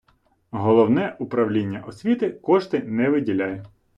Головне управління освіти кошти не виділяє.